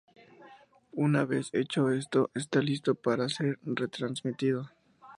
Una vez hecho esto, está listo para ser retransmitido.